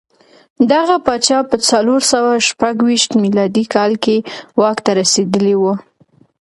دغه پاچا په څلور سوه شپږ ویشت میلادي کال کې واک ته رسېدلی و.